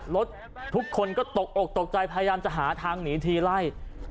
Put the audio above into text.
รถทุกคนก็ตกอกตกใจพยายามจะหาทางหนีทีไล่